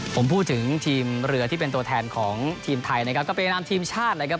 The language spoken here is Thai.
ผมพูดถึงทีมเรือที่เป็นตัวแทนของทีมไทยนะครับก็เป็นนามทีมชาตินะครับ